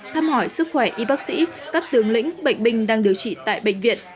thăm hỏi sức khỏe y bác sĩ các tướng lĩnh bệnh binh đang điều trị tại bệnh viện